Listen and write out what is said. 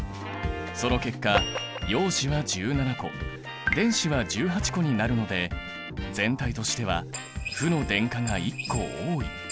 その結果陽子は１７個電子は１８個になるので全体としては負の電荷が１個多い。